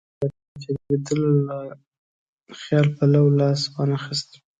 د پاچا کېدلو له خیال پلو لاس وانه خیست.